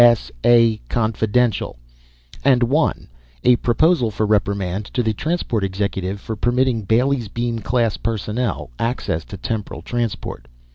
S.A. Confidential_ and, 1, a proposal for reprimand to the Transport Executive, for permitting Bailey's Beam class personnel access to temporal transport.